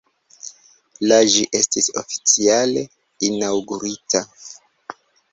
La ĝi estis oficiale inaŭgurita.